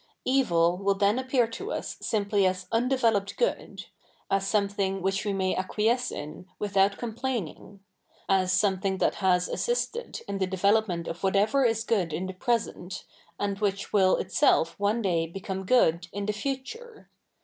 Evil will then appear to us simply as undeveloped good — as so?ne thing which we may acquiesce in without complaining — as so??iething that has assisted i?i the development of whatever is good in the present, and which will itself one day became good in the future.